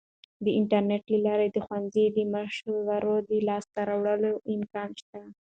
د انټرنیټ له لارې د ښوونځي د مشورو د لاسته راوړلو امکان شته.